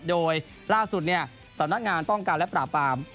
โดยล่าสุดสำนักงานป้องกันและปราบปราม